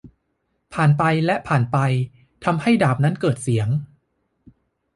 ผ่านไปและผ่านไป ทำให้ดาบนั้นเกิดเสียง